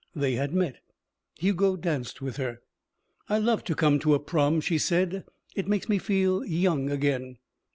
They had met. Hugo danced with her. "I love to come to a prom," she said; "it makes me feel young again."